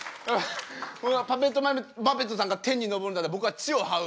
僕はパペットマペットさんが天に昇るんだったら僕は地をはう。